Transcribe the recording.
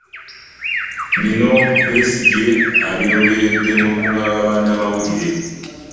Bino Besigye abyogeredde mu lukuŋŋaana lwa bannamawulire